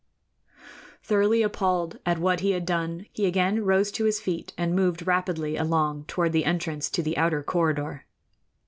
Thoroughly appalled at what he had done, he again arose to his feet and moved rapidly along toward the entrance to the outer corridor.